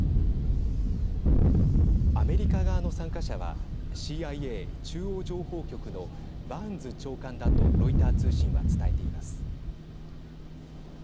アメリカ側の参加者はＣＩＡ＝中央情報局のバーンズ長官だとロイター通信は伝えています。